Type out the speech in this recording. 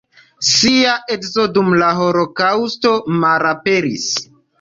Ŝia edzo dum la holokaŭsto malaperis.